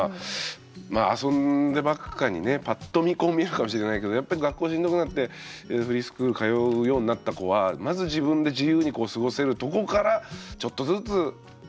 まあ遊んでばっかにねパッと見こう見えるかもしれないけどやっぱり学校しんどくなってフリースクール通うようになった子はまず自分で自由に過ごせるとこからちょっとずつ傷が癒えてきてみたいな。